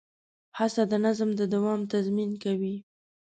هڅه د نظم د دوام تضمین کوي.